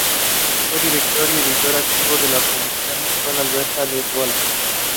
He has held various diplomatic functions.